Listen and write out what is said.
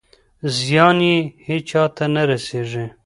زیان یې هېچا ته نه رسېږي.